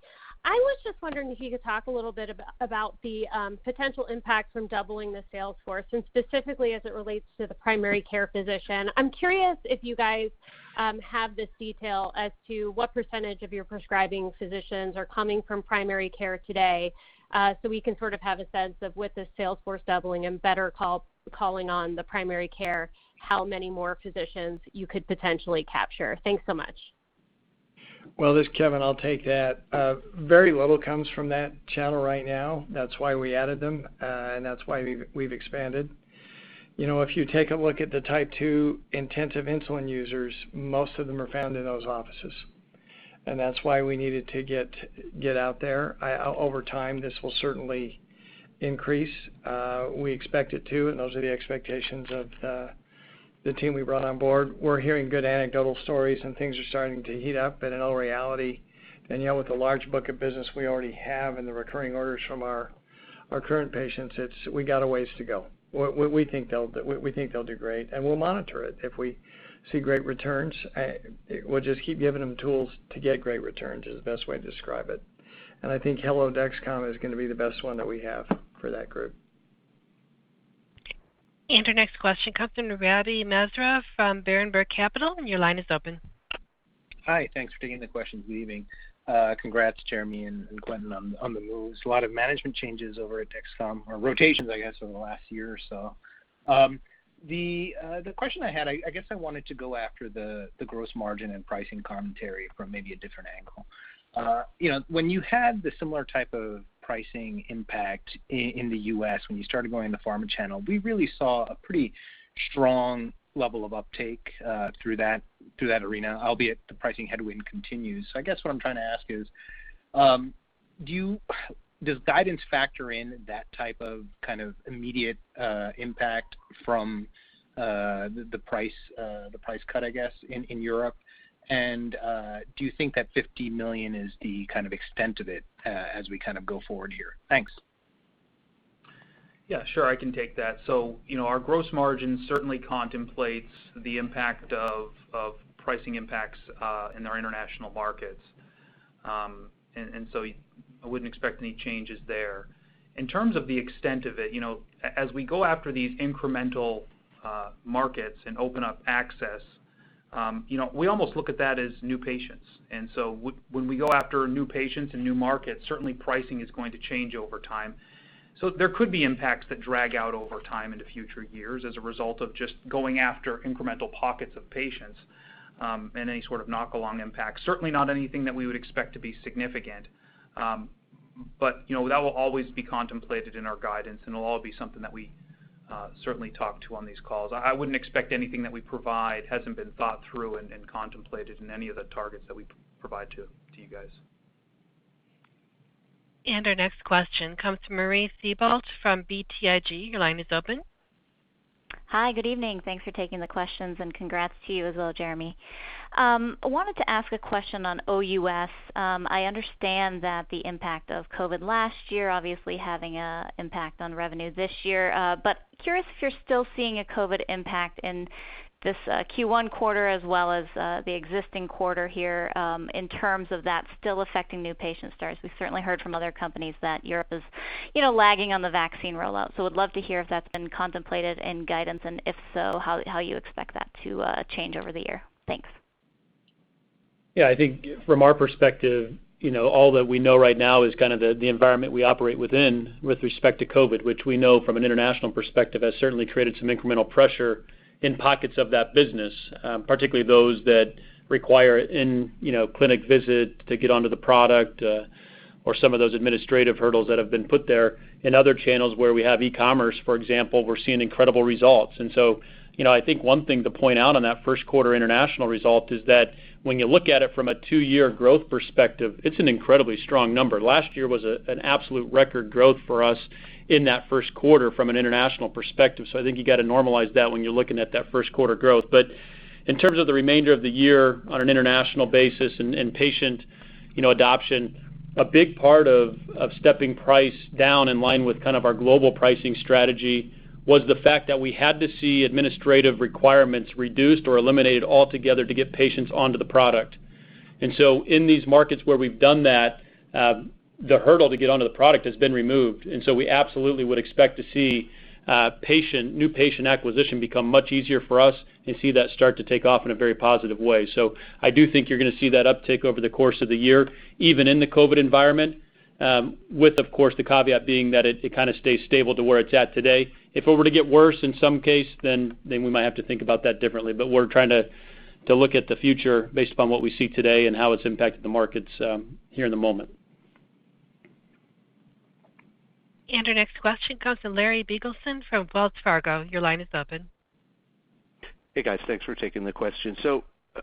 I was just wondering if you could talk a little bit about the potential impact from doubling the sales force, and specifically as it relates to the primary care physician. I'm curious if you guys have this detail as to what % of your prescribing physicians are coming from primary care today, so we can sort of have a sense of with the sales force doubling and better calling on the primary care, how many more physicians you could potentially capture. Thanks so much. Well, this is Kevin. I'll take that. Very little comes from that channel right now. That's why we added them, and that's why we've expanded. If you take a look at the Type two intensive insulin users, most of them are found in those offices, and that's why we needed to get out there. Over time, this will certainly increase. We expect it to, and those are the expectations of the team we brought on board. We're hearing good anecdotal stories, and things are starting to heat up. In all reality, Danielle, with the large book of business we already have and the recurring orders from our current patients, we got a ways to go. We think they'll do great, and we'll monitor it. If we see great returns, we'll just keep giving them tools to get great returns is the best way to describe it. I think Hello Dexcom is going to be the best one that we have for that group. Our next question comes from Ravi Misra from Berenberg Capital, and your line is open. Hi. Thanks for taking the questions. Good evening. Congrats, Jereme and Quentin, on the moves. A lot of management changes over at Dexcom or rotations, I guess, over the last year or so. The question I had, I guess I wanted to go after the gross margin and pricing commentary from maybe a different angle. When you had the similar type of pricing impact in the U.S., when you started going the pharma channel, we really saw a pretty strong level of uptake through that arena, albeit the pricing headwind continues. I guess what I'm trying to ask is, does guidance factor in that type of immediate impact from the price cut, I guess, in Europe? Do you think that $50 million is the kind of extent of it as we go forward here? Thanks. Yeah, sure. I can take that. Our gross margin certainly contemplates the impact of pricing impacts in our international markets. I wouldn't expect any changes there. In terms of the extent of it, as we go after these incremental markets and open up access, we almost look at that as new patients. When we go after new patients and new markets, certainly pricing is going to change over time. There could be impacts that drag out over time into future years as a result of just going after incremental pockets of patients, and any sort of knock-along impact. Certainly not anything that we would expect to be significant. That will always be contemplated in our guidance, and it'll all be something that we certainly talk to on these calls. I wouldn't expect anything that we provide hasn't been thought through and contemplated in any of the targets that we provide to you guys. Our next question comes from Marie Thibault from BTIG. Your line is open. Hi. Good evening. Thanks for taking the questions and congrats to you as well, Jereme. I wanted to ask a question on OUS. I understand that the impact of COVID last year obviously having a impact on revenue this year. Curious if you're still seeing a COVID impact in this Q1 quarter as well as the existing quarter here in terms of that still affecting new patient starts. We've certainly heard from other companies that Europe is lagging on the vaccine rollout. Would love to hear if that's been contemplated in guidance, and if so, how you expect that to change over the year. Thanks. I think from our perspective, all that we know right now is kind of the environment we operate within with respect to COVID, which we know from an international perspective has certainly created some incremental pressure in pockets of that business, particularly those that require in-clinic visit to get onto the product or some of those administrative hurdles that have been put there. In other channels where we have e-commerce, for example, we're seeing incredible results. I think one thing to point out on that first quarter international result is that when you look at it from a two-year growth perspective, it's an incredibly strong number. Last year was an absolute record growth for us in that Q1 from an international perspective. I think you got to normalize that when you're looking at that first quarter growth. In terms of the remainder of the year on an international basis and patient adoption, a big part of stepping price down in line with kind of our global pricing strategy was the fact that we had to see administrative requirements reduced or eliminated altogether to get patients onto the product. In these markets where we've done that, the hurdle to get onto the product has been removed. We absolutely would expect to see new patient acquisition become much easier for us and see that start to take off in a very positive way. I do think you're going to see that uptick over the course of the year, even in the COVID environment, with, of course, the caveat being that it kind of stays stable to where it's at today. If it were to get worse in some case, then we might have to think about that differently. We're trying to look at the future based upon what we see today and how it's impacted the markets here in the moment. Our next question comes from Larry Biegelsen from Wells Fargo. Your line is open. Hey, guys. Thanks for taking the question.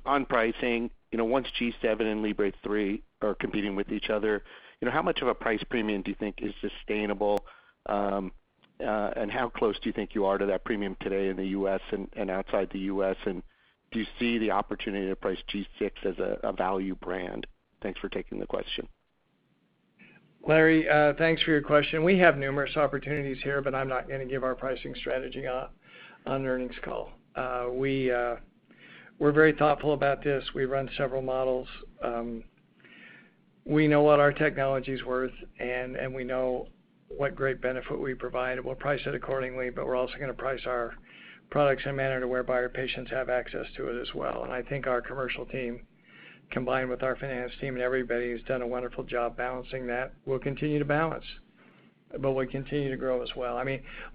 On pricing, once G7 and FreeStyle Libre three are competing with each other, how much of a price premium do you think is sustainable? How close do you think you are to that premium today in the U.S. and outside the U.S., and do you see the opportunity to price G6 as a value brand? Thanks for taking the question. Larry, thanks for your question. We have numerous opportunities here. I'm not going to give our pricing strategy on earnings call. We're very thoughtful about this. We run several models. We know what our technology's worth. We know what great benefit we provide. We'll price it accordingly. We're also going to price our products in a manner to whereby our patients have access to it as well. I think our commercial team, combined with our finance team and everybody who's done a wonderful job balancing that, will continue to balance. Will continue to grow as well.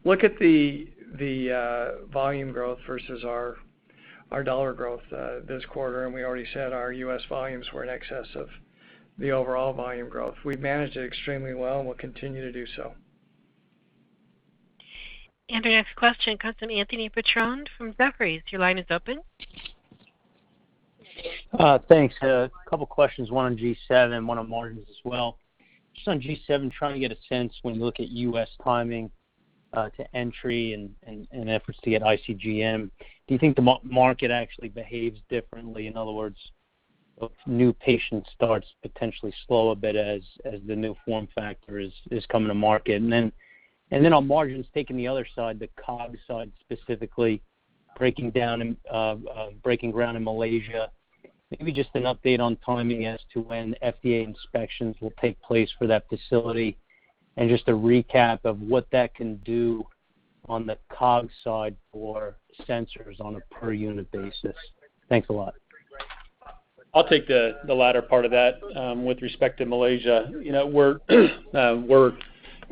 Look at the volume growth versus our dollar growth this quarter. We already said our U.S. volumes were in excess of the overall volume growth. We've managed it extremely well. We'll continue to do so. Our next question comes from Anthony Petrone from Jefferies. Your line is open. Thanks. A couple questions, one on G7, one on margins as well. On G7, trying to get a sense when you look at U.S. timing to entry and efforts to get ICGM. Do you think the market actually behaves differently? In other words, new patient starts potentially slow a bit as the new form factor is coming to market? On margins, taking the other side, the COG side specifically, breaking ground in Malaysia. Maybe just an update on timing as to when FDA inspections will take place for that facility, and just a recap of what that can do on the COG side for sensors on a per unit basis. Thanks a lot. I'll take the latter part of that. With respect to Malaysia, we're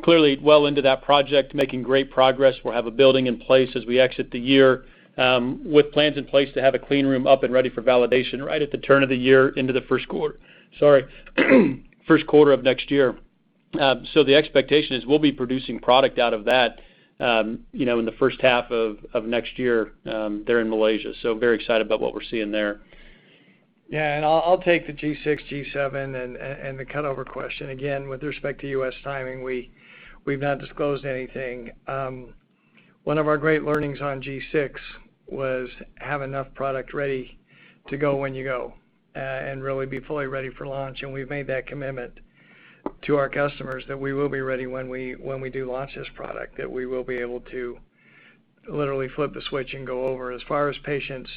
clearly well into that project, making great progress. We'll have a building in place as we exit the year, with plans in place to have a clean room up and ready for validation right at the turn of the year into the Q1 of next year. The expectation is we'll be producing product out of that in the first half of next year there in Malaysia. Very excited about what we're seeing there. Yeah, I'll take the G6, G7, and the cut-over question. Again, with respect to U.S. timing, we've not disclosed anything. One of our great learnings on G6 was have enough product ready to go when you go, and really be fully ready for launch. We've made that commitment to our customers that we will be ready when we do launch this product, that we will be able to literally flip a switch and go over. As far as patients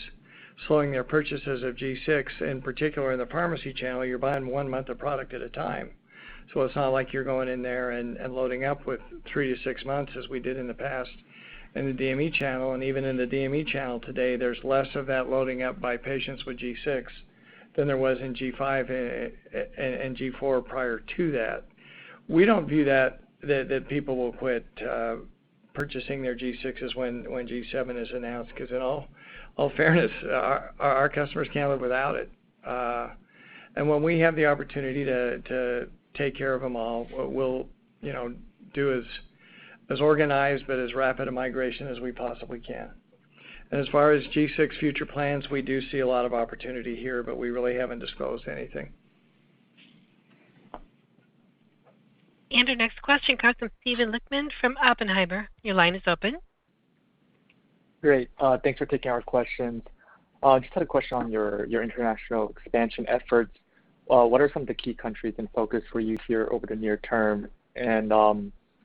slowing their purchases of G6, in particular in the pharmacy channel, you're buying one month of product at a time. It's not like you're going in there and loading up with three to six months as we did in the past in the DME channel. Even in the DME channel today, there's less of that loading up by patients with G6 than there was in G5 and G4 prior to that. We don't view that people will quit purchasing their G6s when G7 is announced, because in all fairness, our customers can't live without it. When we have the opportunity to take care of them all, what we'll do is as organized but as rapid a migration as we possibly can. As far as G6 future plans, we do see a lot of opportunity here, but we really haven't disclosed anything. Our next question comes from Steven Lichtman from Oppenheimer. Your line is open. Great. Thanks for taking our questions. Just had a question on your international expansion efforts. What are some of the key countries and focus for you here over the near term?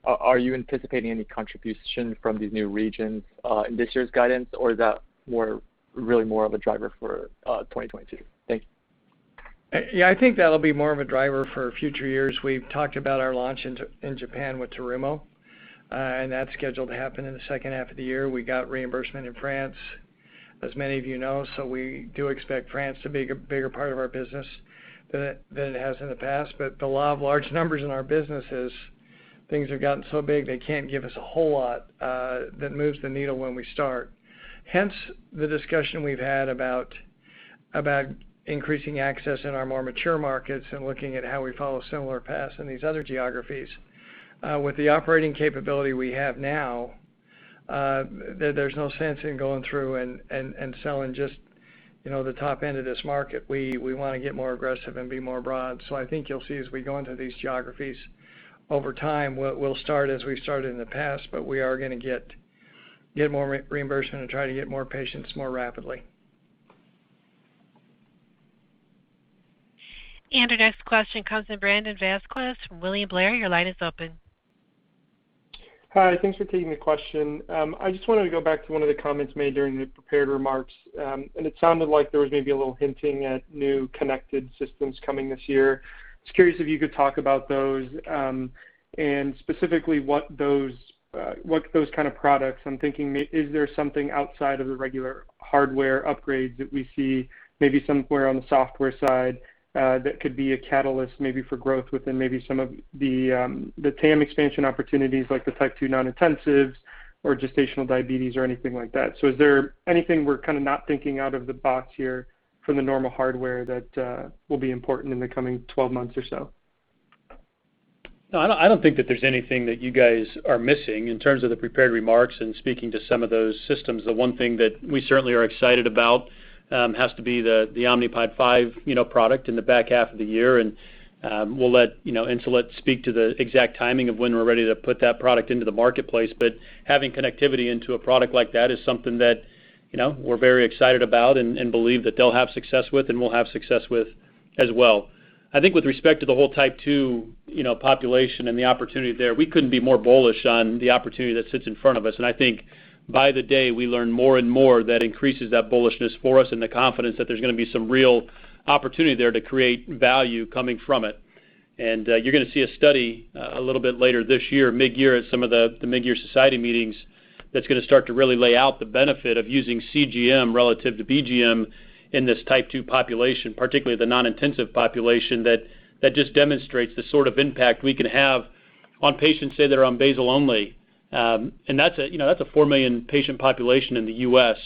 Are you anticipating any contribution from these new regions in this year's guidance? Is that really more of a driver for 2022? Thank you. Yeah, I think that'll be more of a driver for future years. We've talked about our launch in Japan with Terumo, and that's scheduled to happen in the second half of the year. We got reimbursement in France, as many of you know. We do expect France to be a bigger part of our business than it has in the past. The law of large numbers in our business is things have gotten so big, they can't give us a whole lot that moves the needle when we start. Hence, the discussion we've had about increasing access in our more mature markets and looking at how we follow similar paths in these other geographies. With the operating capability we have now, there's no sense in going through and selling just the top end of this market. We want to get more aggressive and be more broad. I think you'll see as we go into these geographies over time, we'll start as we've started in the past, but we are going to get more reimbursement and try to get more patients more rapidly. Our next question comes from Brandon Vazquez from William Blair. Your line is open. Hi, thanks for taking the question. I just wanted to go back to one of the comments made during the prepared remarks. It sounded like there was maybe a little hinting at new connected systems coming this year. Just curious if you could talk about those, and specifically what those kind of products. I'm thinking, is there something outside of the regular hardware upgrades that we see, maybe somewhere on the software side, that could be a catalyst maybe for growth within maybe some of the TAM expansion opportunities like the type 2 non-intensives or gestational diabetes or anything like that? Is there anything we're kind of not thinking out of the box here from the normal hardware that will be important in the coming 12 months or so? I don't think that there's anything that you guys are missing in terms of the prepared remarks and speaking to some of those systems. The one thing that we certainly are excited about has to be the Omnipod five product in the back half of the year. We'll let Insulet speak to the exact timing of when we're ready to put that product into the marketplace. Having connectivity into a product like that is something that we're very excited about and believe that they'll have success with, and we'll have success with as well. I think with respect to the whole type 2 population and the opportunity there, we couldn't be more bullish on the opportunity that sits in front of us. I think by the day, we learn more and more that increases that bullishness for us and the confidence that there's going to be some real opportunity there to create value coming from it. You're going to see a study a little bit later this year, mid-year, at some of the mid-year society meetings, that's going to start to really lay out the benefit of using CGM relative to BGM in this type two population, particularly the non-intensive population, that just demonstrates the sort of impact we can have on patients, say, that are on basal only. That's a 4 million patient population in the U.S.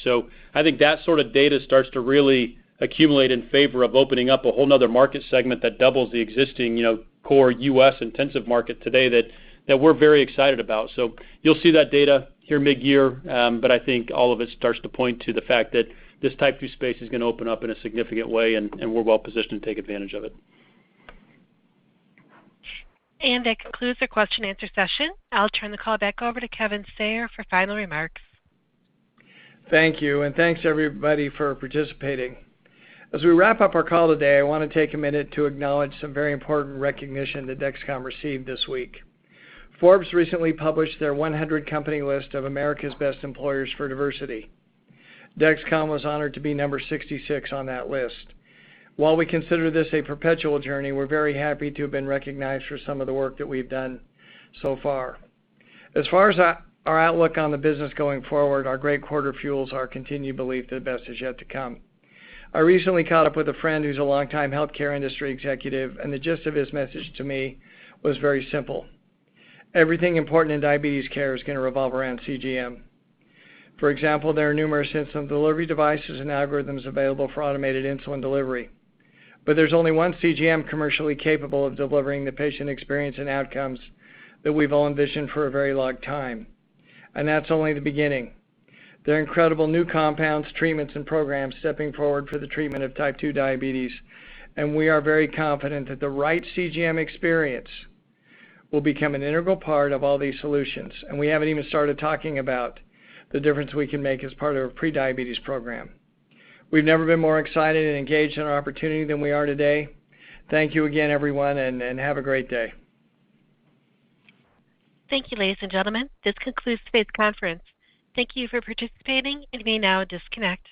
I think that sort of data starts to really accumulate in favor of opening up a whole other market segment that doubles the existing core U.S. intensive market today that we're very excited about. You'll see that data here mid-year, but I think all of it starts to point to the fact that this Type two space is going to open up in a significant way, and we're well positioned to take advantage of it. That concludes the question and answer session. I'll turn the call back over to Kevin Sayer for final remarks. Thank you, thanks everybody for participating. As we wrap up our call today, I want to take a minute to acknowledge some very important recognition that Dexcom received this week. Forbes recently published their 100 company list of America's Best Employers for Diversity. Dexcom was honored to be number 66 on that list. While we consider this a perpetual journey, we're very happy to have been recognized for some of the work that we've done so far. As far as our outlook on the business going forward, our great quarter fuels our continued belief that the best is yet to come. I recently caught up with a friend who's a long-time healthcare industry executive, the gist of his message to me was very simple. Everything important in diabetes care is going to revolve around CGM. For example, there are numerous insulin delivery devices and algorithms available for automated insulin delivery. There's only one CGM commercially capable of delivering the patient experience and outcomes that we've all envisioned for a very long time, and that's only the beginning. There are incredible new compounds, treatments, and programs stepping forward for the treatment of type 2 diabetes, and we are very confident that the right CGM experience will become an integral part of all these solutions. We haven't even started talking about the difference we can make as part of a pre-diabetes program. We've never been more excited and engaged in our opportunity than we are today. Thank you again, everyone, and have a great day. Thank you, ladies and gentlemen. This concludes today's conference. Thank you for participating, and you may now disconnect.